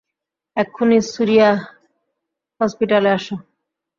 এক্ষুনি সুরিয়া হসপিটালে আসো!